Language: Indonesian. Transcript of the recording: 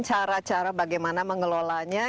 cara cara bagaimana mengelolanya